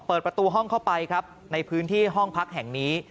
เปิดประตูห้องเข้าไปครับในพื้นที่ห้องพักแห่งนี้